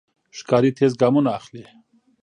ښکاري تېز ګامونه اخلي.